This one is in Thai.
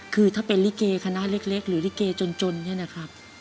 คือถ้าเป็นลิเกคณะเล็กหรือลิเกจนเนี่ยนะครับ